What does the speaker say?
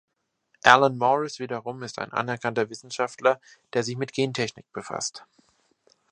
Alan Morris wiederum ist ein anerkannter Wissenschaftler, der sich mit Gentechnik befasst.